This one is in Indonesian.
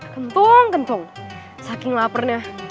kentung kentung saking laparnya